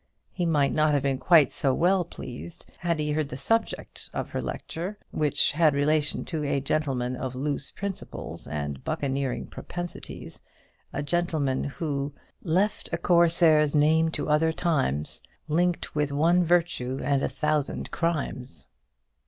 He might not have been quite so well pleased had he heard the subject of her lecture, winch had relation to a gentleman of loose principles and buccaneering propensities a gentleman who "Left a Corsair's name to other times, Link'd with one virtue and a thousand crimes."